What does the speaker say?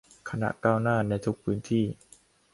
คณะก้าวหน้า ในทุกพื้นที่